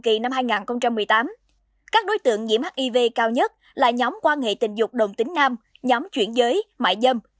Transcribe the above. trong tháng một năm hai nghìn một mươi tám các đối tượng nhiễm hiv cao nhất là nhóm quan nghệ tình dục đồn tính nam nhóm chuyển giới mại dâm